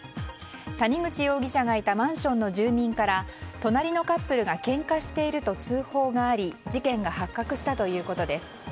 谷口容疑者がいたマンションの住民から隣のカップルがけんかしていると通報があり事件が発覚したということです。